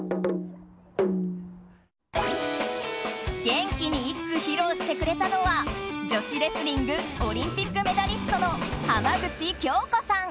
元気に一句披露してくれたのは女子レスリングオリンピックメダリストの浜口京子さん。